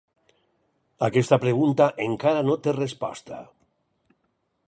Aquesta pregunta encara no té resposta.